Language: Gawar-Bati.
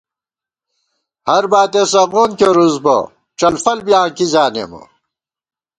ہر باتِیَہ سغون کېرُوس بہ ڄلفل بی آں کی زانېمہ